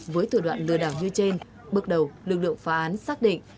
với thủ đoạn lừa đảo như trên bước đầu lực lượng phá án xác định